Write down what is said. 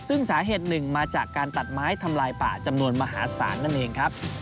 ซึ่งสาเหตุหนึ่งมาจากการตัดไม้ทำลายป่าจำนวนมหาศาลนั่นเองครับ